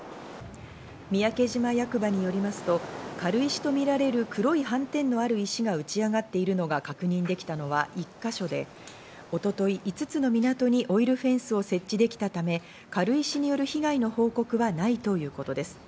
三宅島役場によりますと、軽石とみられる黒い斑点のある石が打ち上がってるのが確認できたのは１か所で、一昨日、５つの港にオイルフェンスを設置できたため、軽石による被害の報告はないということです。